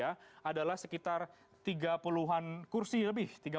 adalah sekitar tiga puluh an kursi lebih